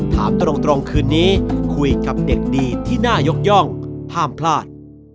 ถามตรงคืนนี้คุยกับเด็กดีที่น่ายกย่องห้ามพลาด